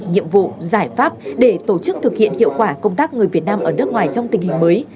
nhiệm vụ giải pháp để tổ chức thực hiện hiệu quả công tác người việt nam ở nước ngoài trong tình hình mới